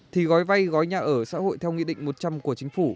thì gói vay gói nhà ở xã hội theo nghị định một trăm linh của chính phủ